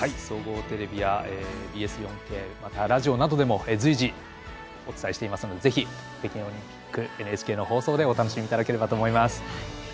総合テレビやＢＳ４Ｋまたラジオなどでも随時、お伝えしていますのでぜひ、北京オリンピックＮＨＫの放送でお楽しみいただければと思います。